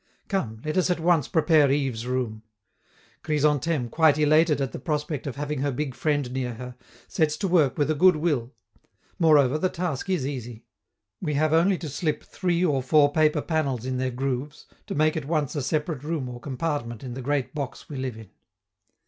Come, let us at once prepare Yves's room. Chrysantheme, quite elated at the prospect of having her big friend near her, sets to work with a good will; moreover, the task is easy; we have only to slip three or four paper panels in their grooves, to make at once a separate room or compartment in the great box we live in.